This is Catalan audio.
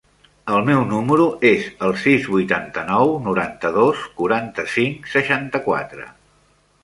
El meu número es el sis, vuitanta-nou, noranta-dos, quaranta-cinc, seixanta-quatre.